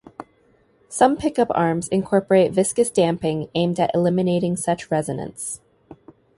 Some pickup arms incorporate viscous damping aimed at eliminating such resonance.